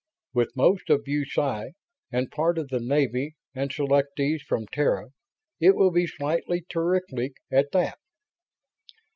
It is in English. "With most of BuSci and part of the Navy, and selectees from Terra it will be slightly terrific, at that!"